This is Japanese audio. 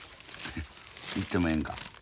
行ってもええんか？